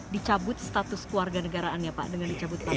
dicabut status keluarga negaraannya dengan dicabut paspor